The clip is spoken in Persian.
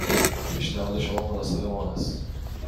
پیشنهاد شما مناسب ما است.